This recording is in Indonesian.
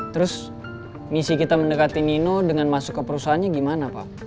terus misi kita mendekati nino dengan masuk ke perusahaannya gimana pak